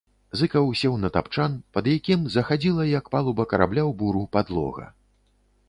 Зыкаў сеў на тапчан, пад якім захадзіла, як палуба карабля ў буру, падлога.